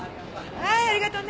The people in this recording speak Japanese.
はいありがとね。